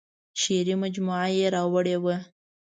شعري مجموعه یې راوړې وه.